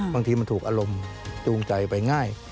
บางทีมันถูกอารมณ์จูงใจไปง่าย